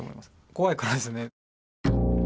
怖いからですね。